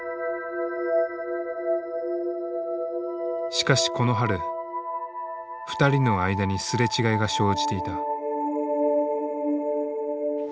しかしこの春２人の間にすれ違いが生じていた。